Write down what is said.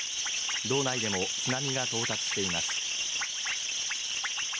道内でも津波が到達しています。